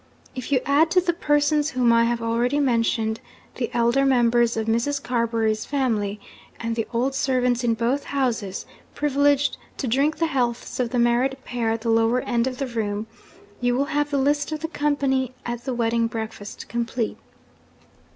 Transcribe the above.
If you add to the persons whom I have already mentioned, the elder members of Mrs. Carbury's family, and the old servants in both houses privileged to drink the healths of the married pair at the lower end of the room you will have the list of the company at the wedding breakfast complete.